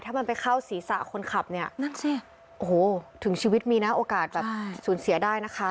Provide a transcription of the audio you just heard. ถ้ามันไปเข้าศีรษะคนขับเนี่ยนั่นสิโอ้โหถึงชีวิตมีนะโอกาสแบบสูญเสียได้นะคะ